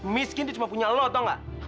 miskin itu cuma punya lo tau nggak